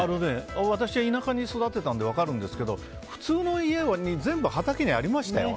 私は田舎で育ったので分かるんですけど普通の家の畑に全部ありましたよ。